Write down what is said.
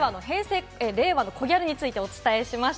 令和のコギャルについてお伝えしました。